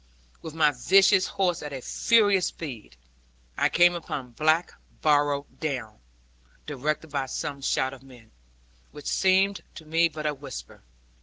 With my vicious horse at a furious speed, I came upon Black Barrow Down, directed by some shout of men, which seemed to me but a whisper.